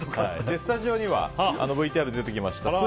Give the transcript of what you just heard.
スタジオにはＶＴＲで出てきました